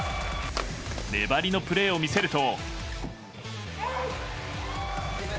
粘りのプレーを見せると。